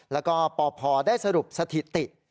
แล้วก็ปพได้สรุปสถิติ